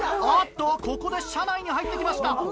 あっとここで車内に入って来ました。